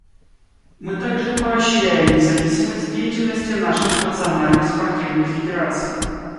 Мы также поощряем независимость деятельности наших национальных спортивных федераций.